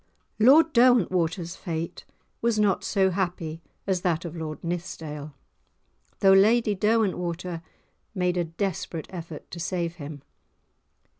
Lord Derwentwater's fate was not so happy as that of Lord Nithsdale, though Lady Derwentwater made a desperate effort to save him.